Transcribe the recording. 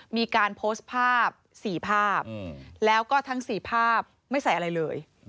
มีการโพสต์ภาพ๔ภาพแล้วก็ทั้ง๔ภาพไม่ใส่อะไรเลย